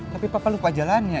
tapi papa lupa jalannya